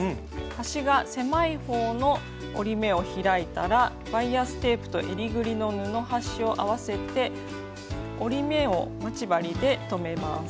端が狭い方の折り目を開いたらバイアステープとえりぐりの布端を合わせて折り目を待ち針で留めます。